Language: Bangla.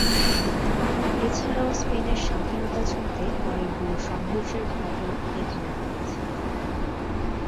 এছাড়াও স্পেনের স্বাধীনতা যুদ্ধে অনেকগুলো সংঘর্ষের ঘটনা এখানে ঘটেছে।